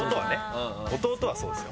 弟はそうですよ。